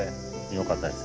よかったです。